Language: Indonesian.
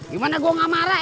gimana gue gak marah